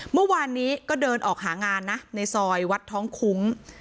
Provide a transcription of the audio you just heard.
เมื่อวานนี้ก็เดินออกหางานนะในซอยวัดท้องคุ้ง